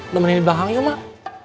temenin di belakang yuk mak